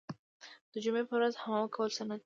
د جمعې په ورځ حمام کول سنت دي.